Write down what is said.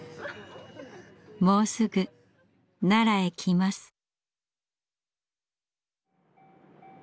もうすぐ奈良へ来ます。